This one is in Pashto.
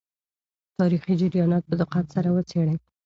تاریخي جریانات په دقت سره وڅېړئ.